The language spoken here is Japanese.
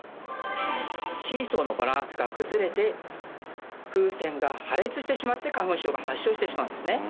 シーソーのバランスが崩れて風船が破裂してしまって花粉症が発症してしまうんですね。